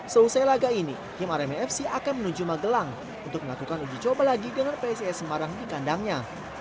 seusai laga ini tim arema fc akan menuju magelang untuk melakukan uji coba lagi dengan psis semarang di kandangnya